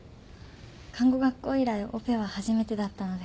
看護学校以来オペは初めてだったので。